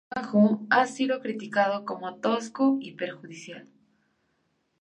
Su trabajo ha sido criticado como tosco y perjudicial.